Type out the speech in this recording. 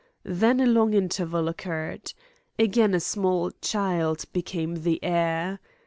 Then a long interval occurred. Again a small child became the heir.